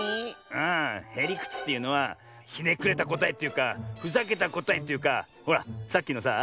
ああへりくつっていうのはひねくれたこたえというかふざけたこたえというかほらさっきのさあ